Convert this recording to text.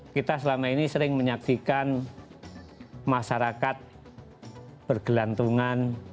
kita selama ini sering menyaksikan masyarakat bergelantungan